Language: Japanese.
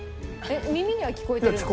耳には聞こえてるんですか？